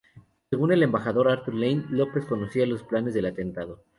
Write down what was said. Según el embajador Arthur Lane, López conocía los planes del atentado.